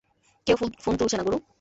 কেউ ফোন তুলছে না, গুরু।